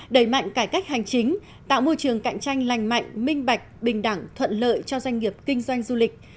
đẩy mạnh cải cách hành chính tạo môi trường cạnh tranh lành mạnh minh bạch bình đẳng thuận lợi cho doanh nghiệp kinh doanh du lịch